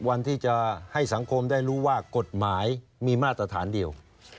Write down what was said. วันที่จะให้สังคมได้รู้ว่ากฎหมายมีมาตรฐานเดียว